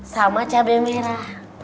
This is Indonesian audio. sama cabai merah